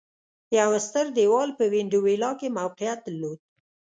یو ستر دېوال په وینډولا کې موقعیت درلود